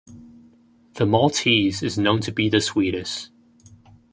The 'Maltese' is known to be the sweetest.